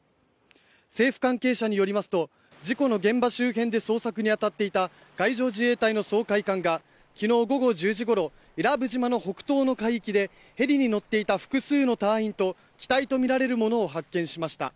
政府関係者によりますと事故の現場周辺で捜索に当たっていた海上自衛隊の掃海艦が昨日午後１０時ごろ伊良部島の北東の海域でヘリに乗っていた複数の隊員と機体とみられるものを発見しました。